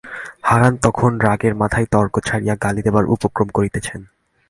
হারান তখন রাগের মাথায় তর্ক ছাড়িয়া গালি দিবার উপক্রম করিতেছেন।